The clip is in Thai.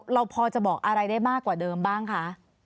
เราพอจะบอกอะไรได้มากกว่าเดิมบ้างคะ